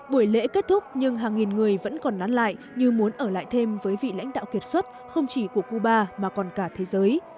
buổi lễ kết thúc nhưng hàng nghìn người vẫn còn nán lại như muốn ở lại thêm với vị lãnh đạo kiệt xuất không chỉ của cuba mà còn cả thế giới